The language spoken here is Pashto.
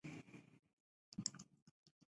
نورستان د افغانستان د جغرافیایي موقیعت پایله ده.